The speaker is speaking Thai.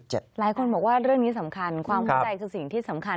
หลายคนบอกว่าเรื่องนี้สำคัญความเข้าใจคือสิ่งที่สำคัญ